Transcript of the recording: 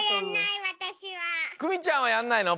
クミちゃんはやんないの？